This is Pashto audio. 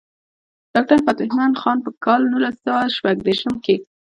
ډاکټر فتح مند خان پۀ کال نولس سوه شپږ دېرشم کښې